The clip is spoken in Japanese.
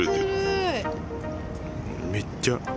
めっちゃ。